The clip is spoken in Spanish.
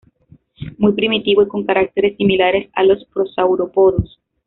Muy primitivo y con caracteres similares a los prosaurópodos.